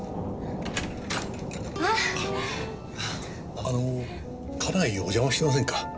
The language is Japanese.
あのー家内お邪魔してませんか？